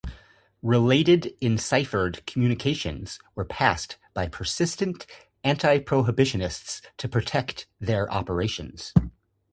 Related enciphered communications were passed by persistent anti-prohibitionists to protect their operations.